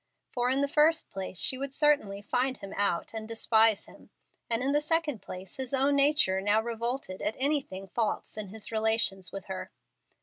For in the first place she would certainly find him out and despise him, and in the second place his own nature now revolted at anything false in his relations with her.